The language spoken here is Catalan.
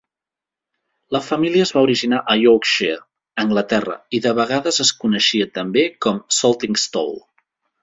La família es va originar a Yorkshire, Anglaterra, i de vegades es coneixia també com Saltingstall.